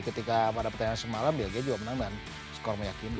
ketika pada pertandingan semalam belgia juga menang dan skor meyakini